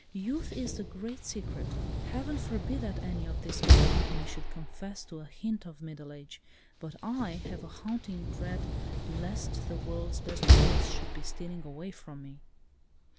"Youth is the great secret. Heaven forbid that any of this good company should confess to a hint of middle age, but I have a haunting dread lest the world's best joys should be stealing away from me."